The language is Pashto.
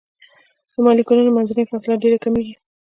د مالیکولونو منځنۍ فاصله ډیره کمیږي.